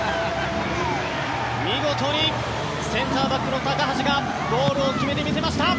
見事にセンターバックの高橋がゴールを決めてみせました！